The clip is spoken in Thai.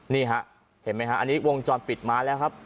นี่ฮะเห็นไหมฮะอันนี้วงจรปิดมาแล้วครับ